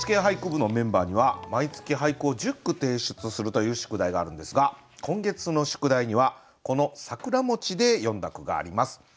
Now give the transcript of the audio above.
「ＮＨＫ俳句部」のメンバーには毎月俳句を１０句提出するという宿題があるんですが今月の宿題にはこの「桜」で詠んだ句があります。